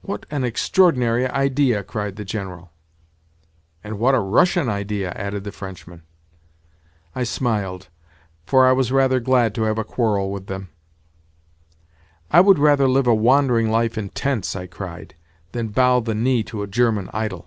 "What an extraordinary idea," cried the General. "And what a Russian idea!" added the Frenchman. I smiled, for I was rather glad to have a quarrel with them. "I would rather live a wandering life in tents," I cried, "than bow the knee to a German idol!"